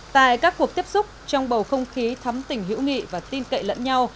tại các cuộc tiếp xúc trong bầu không khí thắm tỉnh hữu nghị và tin cậy lẫn nhau